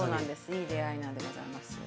いい出会いなんでございます。